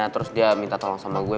terus dia minta tolong sama gue